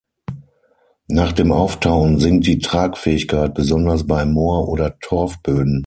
Nach dem Auftauen sinkt die Tragfähigkeit besonders bei Moor- oder Torfböden.